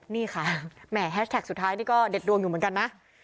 นี่ค่ะแหมแฮชแท็กสุดท้ายนี่ก็เด็ดดวงอยู่เหมือนกันนะ